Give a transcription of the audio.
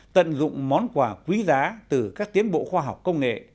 tận dụng món quà quý giá từ các tiến bộ khoa học công nghệ